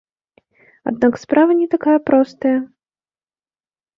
Аднак справа не такая простая.